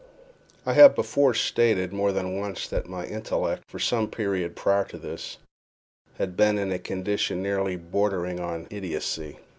I have before stated more than once that my intellect, for some period prior to this, had been in a condition nearly bordering on idiocy.